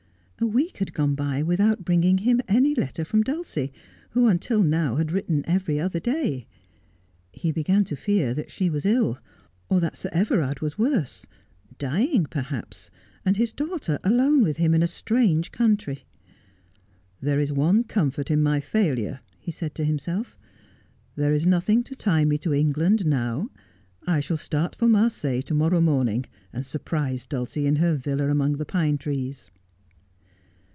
A week had gone by without bring ing him any letter from Dulcie, who until now had written every other day. He began to fear that she was ill, or that Sir Everard was worse — dying, perhaps — and his daughter alone with him in a strange country. 'There is one comfort in my failure.' he said to himself. ' There is nothing to tie me to England now. I shall start for Marseilles to morrow morning, and surprise Dulcie in her villa among the pine trees.'